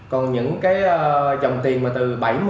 còn những cái dòng tiền mà từ bảy mươi